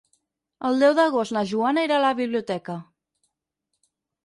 El deu d'agost na Joana irà a la biblioteca.